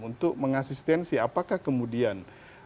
untuk mengasistensi apakah kemudian